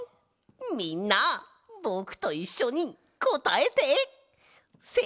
みんなぼくといっしょにこたえて！せの！